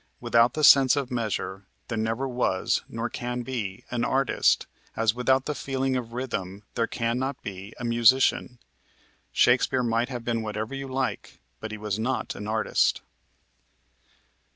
Without the sense of measure, there never was nor can be an artist, as without the feeling of rhythm there can not be a musician. Shakespeare might have been whatever you like, but he was not an artist.